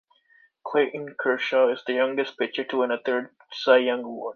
Clayton Kershaw is the youngest pitcher to win a third Cy Young Award.